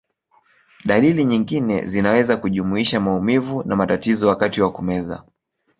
Dalili nyingine zinaweza kujumuisha maumivu na matatizo wakati wa kumeza.